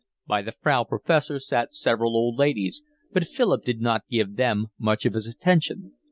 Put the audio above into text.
By the Frau Professor sat several old ladies, but Philip did not give them much of his attention.